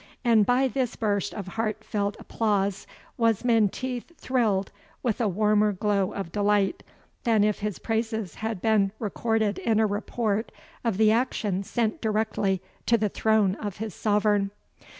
And by this burst of heartfelt applause was Menteith thrilled with a warmer glow of delight, than if his praises had been recorded in a report of the action sent directly to the throne of his sovereign.